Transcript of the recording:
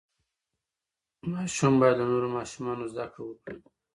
ماشوم باید له نورو ماشومانو زده کړه وکړي.